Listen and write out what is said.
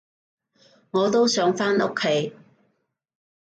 我都想返屋企